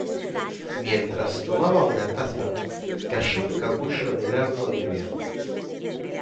Mientras tomaba una taza, cayó un capullo en el agua hirviendo.